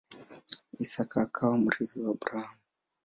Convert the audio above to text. Isaka akawa mrithi wa Abrahamu.